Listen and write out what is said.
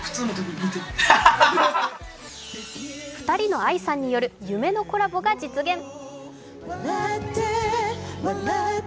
２人のＡＩさんによる夢のコラボが実現。